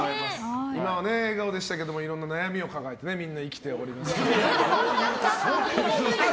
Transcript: みんな笑顔でしたけどいろんな悩みを抱えてみんな生きておりますね。